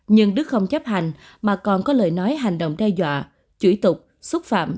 nhưng đức không chấp hành mà còn có lời nói hành động đe dọa chửi tục xúc phạm